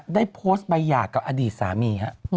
ได้โพสต์ใบหย่ากับอดีตสามี